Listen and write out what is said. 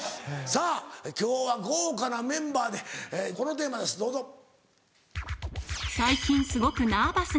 さぁ今日は豪華なメンバーでこのテーマですどうぞ。